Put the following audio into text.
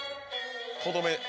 とどめ！